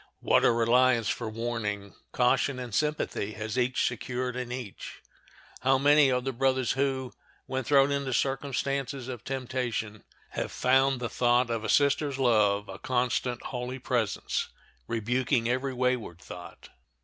What a reliance for warning, caution, and sympathy has each secured in each! How many are the brothers who, when thrown into circumstances of temptation, have found the thought of a sister's love a constant, holy presence, rebuking every wayward thought!